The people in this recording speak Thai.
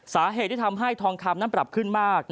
สาเหตุที่ทำให้ทองคำนั้นปรับขึ้นมาก